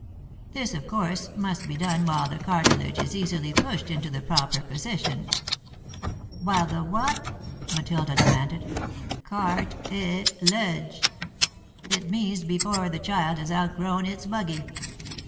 This of course, must be done while the cartilage is easily pushed into the proper position.'" [Sidenote: The Paper's Circulation] "While the what?" Matilda demanded. "Cart i lage. It means before the child has outgrown its buggy.